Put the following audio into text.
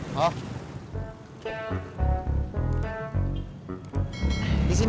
iya di sini aja